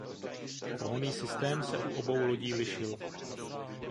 Pohonný systém se u obou lodí lišil.